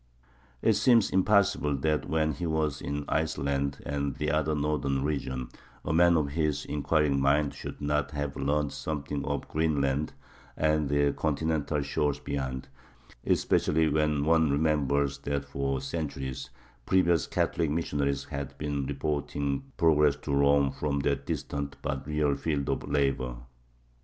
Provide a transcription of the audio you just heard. It seems impossible that when he was in Iceland and the other northern regions, a man of his inquiring mind should not have learned something of Greenland and the continental shores beyond, especially when one remembers that for centuries previous Catholic missionaries had been reporting progress to Rome from that distant but real field of labor.